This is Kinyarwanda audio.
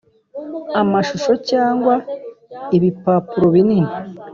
amashusho cyangwa Ibipapuro bininni